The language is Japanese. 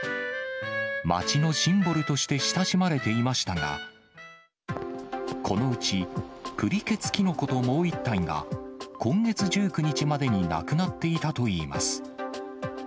町のシンボルとして親しまれていましたが、このうちプリけつきのこともう１体が、今月１９日までに、なくなっていたといいます。